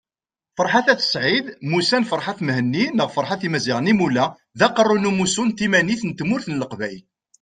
Ferḥat At Said mmusan Ferhat Mehenni neɣ Ferhat Imazighen Imula, d Aqerru n Umussu n Timanit n Tmurt n Leqbayel